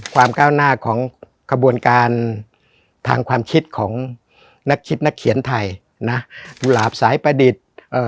ความก้าวหน้าของขบวนการทางความคิดของนักคิดนักเขียนไทยนะกุหลาบสายประดิษฐ์เอ่อ